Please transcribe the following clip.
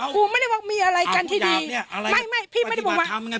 กูไม่ได้ว่ามีอะไรกันที่ดีไม่ไม่พี่ไม่ได้บอกว่า